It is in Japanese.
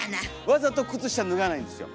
わざと靴下脱がないんですよ。